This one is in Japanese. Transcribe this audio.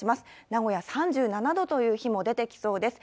名古屋、３７度という日も出てきそうです。